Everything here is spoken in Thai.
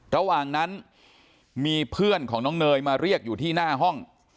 ระหว่างนั้นมีเพื่อนของน้องเนยมาเรียกอยู่ที่หน้าห้อง